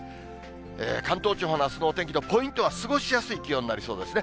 関東地方のあすのお天気のポイントは、過ごしやすい気温になりそうですね。